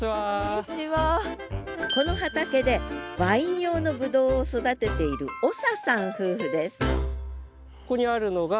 この畑でワイン用のブドウを育てている長さん夫婦です